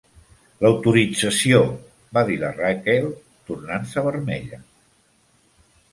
"L"autorització!" va dir la Rachael, tornant-se vermella.